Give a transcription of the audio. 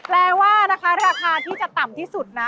แปลว่านะคะราคาที่จะต่ำที่สุดนะ